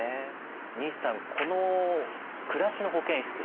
西さんこの「暮らしの保健室」